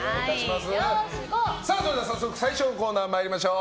それでは早速最初のコーナー、参りましょう。